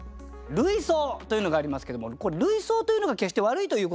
類想というのがありますけどもこれ類想というのが決して悪いということではないんですよね。